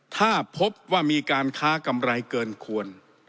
ถ้าพบว่ามีการค้ากำไรเกินควร